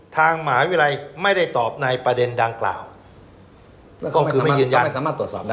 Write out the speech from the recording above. ทางหมาวิรัยไม่ได้ตอบในประเด็นดังกล่าวก็คือไม่ยืนยัน